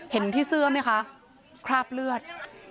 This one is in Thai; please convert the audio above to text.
เห็นที่เสื้อไหมคะคราบเลือด